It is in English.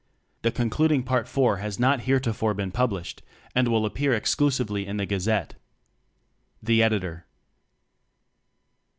The concluding PartIV has not heretofore been published and will appear exclusively in The Gazette. Editor.